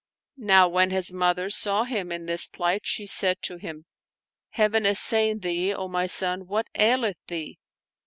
Now when his mother saw him in this plight, she said to him, " Heaven assain thee, O my son ! What aileth thee?"